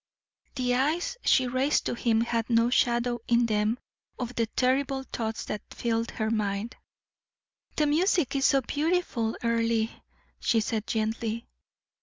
The eyes she raised to him had no shadow in them of the terrible thoughts that filled her mind. "The music is so beautiful, Earle," she said, gently.